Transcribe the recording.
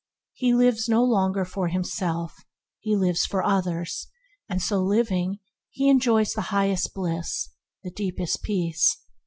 He lives no longer for himself; he lives for others: and so living, he enjoys the highest bliss, the deepest peace.